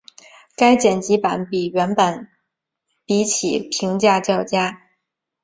该剪辑版与原版比起评价较佳。